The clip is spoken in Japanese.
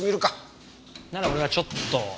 なら俺はちょっと。